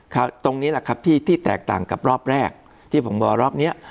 ตรงนี้แหละครับที่ที่แตกต่างกับรอบแรกที่ผมบอกรอบเนี้ย